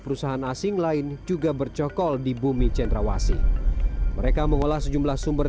perusahaan asing lain juga bercokol di bumi cendrawasi mereka mengolah sejumlah sumber